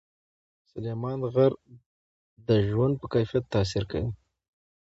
سلیمان غر د ژوند په کیفیت تاثیر کوي.